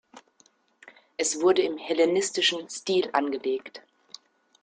Es wurde im hellenistischen Stil angelegt.